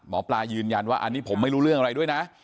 หมอปลายืนยันว่าอันนี้ผมไม่รู้เรื่องอะไรด้วยนะ